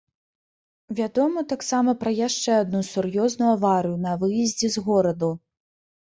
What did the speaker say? Вядома таксама пра яшчэ адну сур'ёзную аварыю на выездзе з гораду.